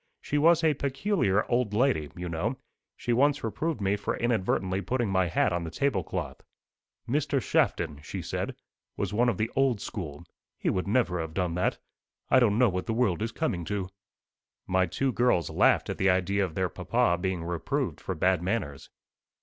She was a peculiar old lady, you know. She once reproved me for inadvertently putting my hat on the tablecloth. 'Mr. Shafton,' she said, 'was one of the old school; he would never have done that. I don't know what the world is coming to.'" My two girls laughed at the idea of their papa being reproved for bad manners.